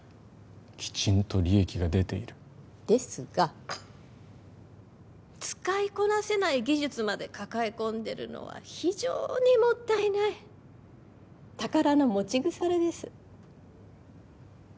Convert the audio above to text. きちんと利益が出ているですが使いこなせない技術まで抱え込んでるのは非常にもったいない宝の持ち腐れです